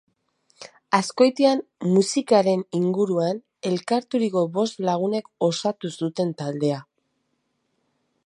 Azkoitian musikaren inguruan elkarturiko bost lagunek osatu zuten taldea.